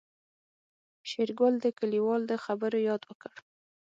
شېرګل د کليوال د خبرو ياد وکړ.